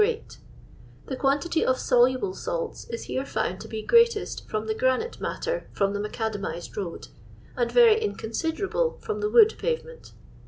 *" The quantity of soluble salts is here found to be greatest from the granite matter from the mac adamized road, and very inconsiderable from the wood pavement.